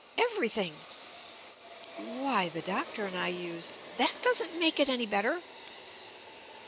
"Everything!" "Why, the Doctor and I used " "That doesn't make it any better."